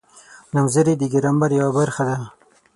نومځري د ګرامر یوه برخه ده.